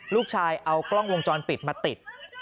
ลูกชายเอากล้องวงจรปิดมาติด